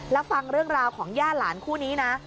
แล้วฟังเรื่องราวของย่าหลานคู่นี้นะ